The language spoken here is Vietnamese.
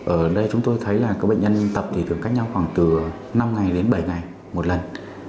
ở đây chúng tôi thấy là bệnh nhân tập thì thường cách nhau khoảng từ năm ngày đến bảy ngày một lần